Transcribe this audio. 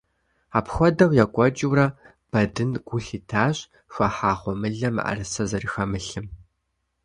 Апхуэдэу екӀуэкӀыурэ, Бэдын гу лъитащ хуахьа гъуэмылэм мыӀэрысэ зэрыхэмылъым.